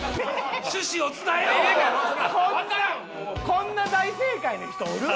こんな大正解の人おる？